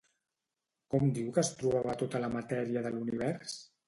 Com diu que es trobava tota la matèria de l'univers?